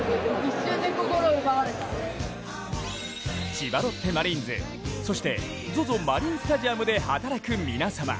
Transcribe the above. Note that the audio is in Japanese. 千葉ロッテマリーンズそしてＺＯＺＯマリンスタジアムで働く皆様。